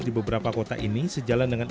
di beberapa kota ini sejalan dengan